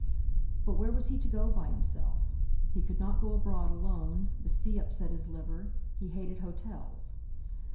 But where was he to go by himself? He could not go abroad alone; the sea upset his liver; he hated hotels.